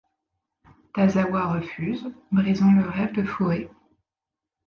Tazawa refuse, brisant le rêve de Fue.